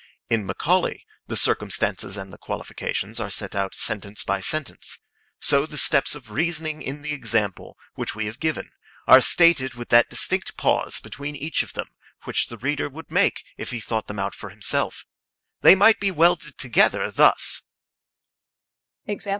In Macaulay the circumstances and the qualifications are set out sentence by sentence. So the steps of reasoning in the example which we have given are stated with that distinct pause between each of them which the reader would make if he thought them out for himself.